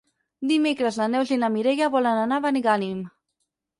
Dimecres na Neus i na Mireia volen anar a Benigànim.